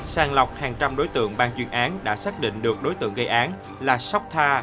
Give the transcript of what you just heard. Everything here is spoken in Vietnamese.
sàng lọc hàng trăm đối tượng ban chuyên án đã xác định được đối tượng gây án là sóc tha